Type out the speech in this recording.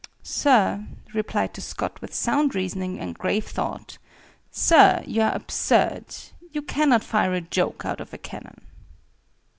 "Sir," replied the Scot, with sound reasoning and grave thought, "Sir, you are absurd. You cannot fire a joke out of a cannon!"